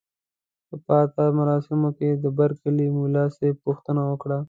په پاتا مراسمو کې د برکلي ملاصاحب پوښتنه وکړه.